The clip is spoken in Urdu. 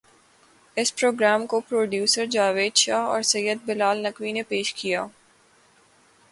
اس پروگرام کو پروڈیوسر جاوید شاہ اور سید بلا ل نقوی نے پیش کیا